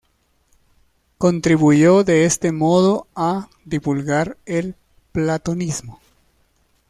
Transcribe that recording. Contribuyó de este modo a divulgar el platonismo.